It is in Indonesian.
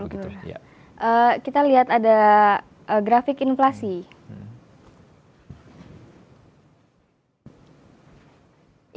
kita lihat ada grafik inflasi